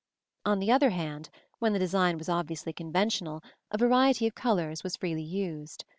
On the other hand, when the design was obviously conventional a variety of colors was freely used.